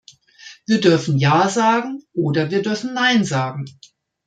Wir dürfen Ja sagen oder wir dürfen Nein sagen.